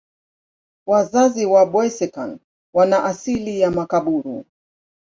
Wazazi wa Boeseken wana asili ya Makaburu.